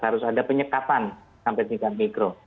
harus ada penyekatan sampai tingkat mikro